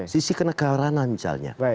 sisi kenegawaran misalnya